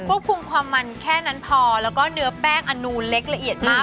ก็คุมความมันแค่นั้นพอแล้วก็เนื้อแป้งอนูนเล็กละเอียดมาก